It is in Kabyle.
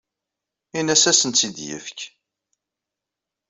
Ini-as ad asen-tt-id-yefk.